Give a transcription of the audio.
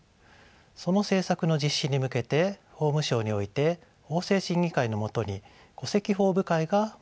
その政策の実施に向けて法務省において法制審議会の下に戸籍法部会が設けられました。